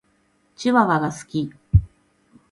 チワワが好き。